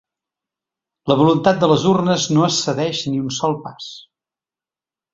La voluntat de les urnes no es cedeix ni un sol pas!